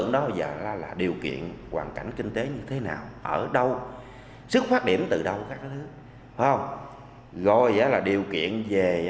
rồi là điều kiện về